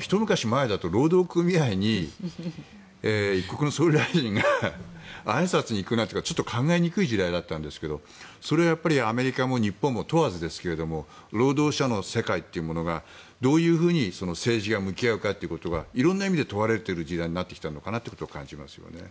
ひと昔前だと労働組合に一国の総理大臣があいさつに行くなんて考えにくい時代だったんですがそれはアメリカも日本も問わず労働者の世界というものがどういうふうに政治が向き合うかということが色んな意味で問われている時代になってきたのかなと感じますね。